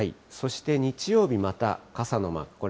そして日曜日、また傘のマーク。